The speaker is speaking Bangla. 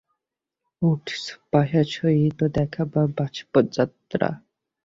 উডস পাশার সহিত দেখা ও বাস্ফোর যাত্রা।